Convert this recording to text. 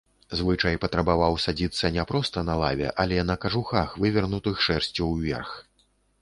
Звычай патрабаваў садзіцца не проста на лаве, але на кажухах, вывернутых шэрсцю ўверх.